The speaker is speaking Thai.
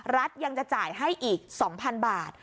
รัฐยังจะจ่ายให้อีก๒๐๐๐บาท